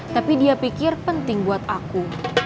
tapi dia pikir penting buat aku